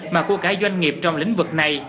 mà của cả doanh nghiệp trong lĩnh vực này